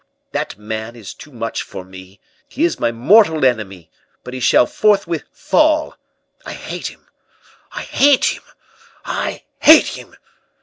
That man is too much for me; he is my mortal enemy, but he shall forthwith fall! I hate him I hate him I hate him!"